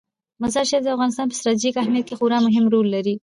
مزارشریف د افغانستان په ستراتیژیک اهمیت کې خورا مهم رول لري.